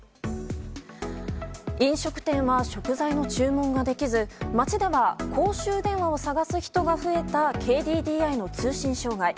飲食店は食材の注文ができず街では公衆電話を探す人が増えたＫＤＤＩの通信障害。